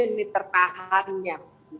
dan yang terpahannya